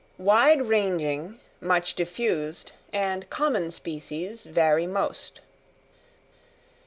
_Wide ranging, much diffused, and common Species vary most.